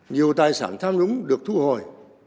nhiều tài sản tham nhũng được thu hồi